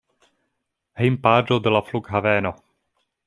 Hejmpaĝo de la flughaveno.